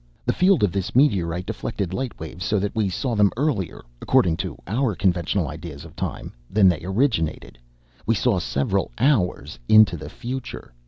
The field of this meteorite deflected light waves so that we saw them earlier, according to our conventional ideas of time, than they originated. We saw several hours into the future.